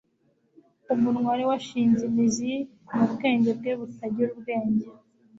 umunwa wari washinze imizi mu bwenge bwe butagira ubwenge